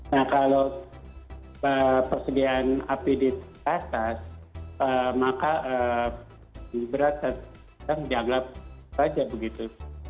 nah kalau persediaan apd terbatas maka berat sedang dianggap saja begitu